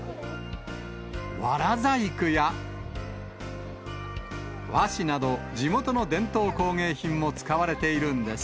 わら細工や、和紙など、地元の伝統工芸品も使われているんです。